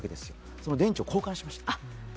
その電池を交換しました。